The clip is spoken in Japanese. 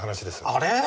あれ？